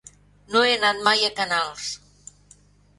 No he anat mai a Canals.